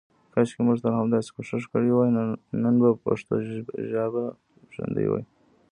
کاشکې مونږ تل همداسې کوشش کړی وای نن به پښتو ژابه ژوندی وی.